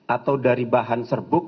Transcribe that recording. atau dari bahan serbuk